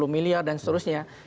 dua puluh miliar dan seterusnya